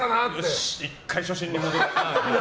よし、１回初心に戻ろう！